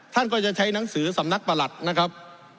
ท่านก็จะใช้หนังสือสำนักประหลัดนะครับ